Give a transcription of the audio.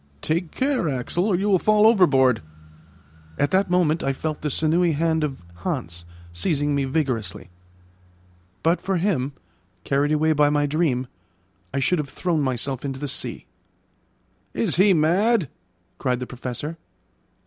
"Take care, Axel, or you will fall overboard." At that moment I felt the sinewy hand of Hans seizing me vigorously. But for him, carried away by my dream, I should have thrown myself into the sea. "Is he mad?" cried the Professor.